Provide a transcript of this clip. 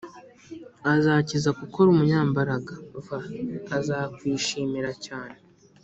Azakiza kuko ari umunyambaraga v azakwishimira cyane